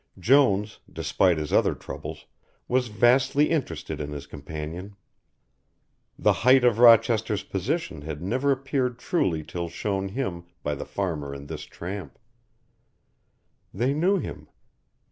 Jones, despite his other troubles, was vastly interested in his companion. The height of Rochester's position had never appeared truly till shown him by the farmer and this tramp. They knew him.